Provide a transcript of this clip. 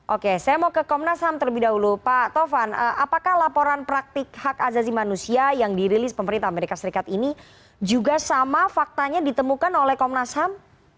oke saya mau ke komnas ham terlebih dahulu pak tovan apakah laporan praktik hak azazi manusia yang dirilis pemerintah amerika serikat ini juga sama faktanya ditemukan oleh komnas ham